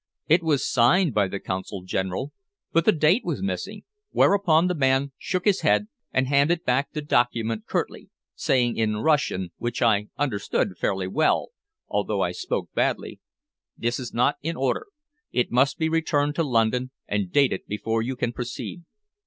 It was signed by the Consul General, but the date was missing, whereupon the man shook his head and handed back the document curtly, saying in Russian, which I understood fairly well, although I spoke badly "This is not in order. It must be returned to London and dated before you can proceed."